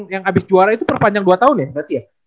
yang habis juara itu perpanjang dua tahun ya berarti ya